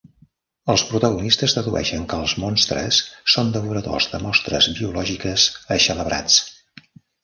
Els protagonistes dedueixen que els monstres són devoradors de mostres biològiques eixelebrats.